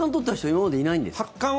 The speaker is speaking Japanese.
今までいないんですか？